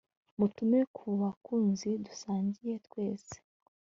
mutume ku bakunzi dusangiye twese